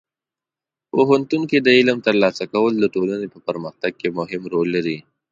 پوهنتون کې د علم ترلاسه کول د ټولنې په پرمختګ کې مهم رول لري.